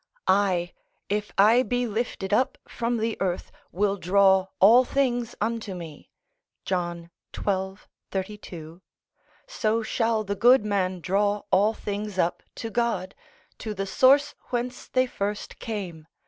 I, if I be lifted up from the earth, will draw all things unto me (John xii. 32). So shall the good man draw all things up to God, to the source whence they first came.